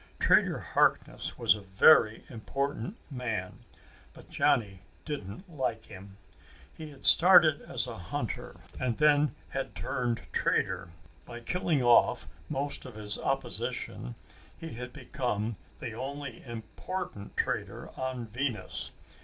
Trader Harkness was a very important man, but Johnny didn't like him. He had started as a hunter and then had turned trader. By killing off most of his opposition, he had become the only important trader on Venus.